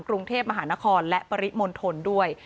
กรุงเทพมหานครและปริมณฑลด้วย